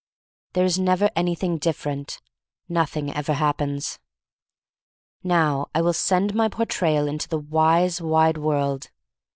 There is never anything different; nothing ever ha'ppens. Now I will send my Portrayal into the wise wide world.